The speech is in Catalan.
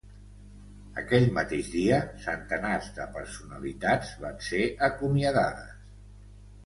Aquell mateix dia, centenars de personalitats van ser acomiadades.